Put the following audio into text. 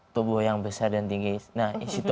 tubuh yang besar dan tinggi nah disitu